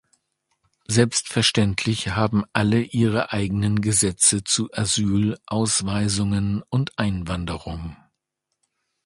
Selbstverständlich haben alle ihre eigenen Gesetze zu Asyl, Ausweisungen und Einwanderung.